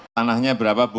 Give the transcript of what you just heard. tanahnya berapa bu